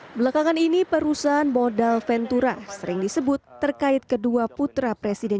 hai belakangan ini perusahaan modal ventura sering disebut terkait kedua putra presiden